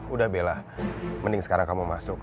udah bela mending sekarang kamu masuk